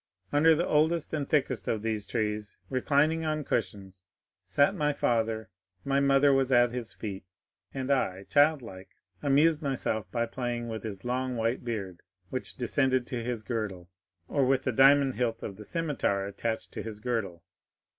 Under the oldest and thickest of these trees, reclining on cushions, sat my father; my mother was at his feet, and I, childlike, amused myself by playing with his long white beard which descended to his girdle, or with the diamond hilt of the scimitar attached to his girdle.